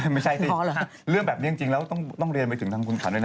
ไม่ใช่สิเรื่องแบบนี้จริงแล้วต้องเรียนไปถึงทางคุณขันด้วยนะ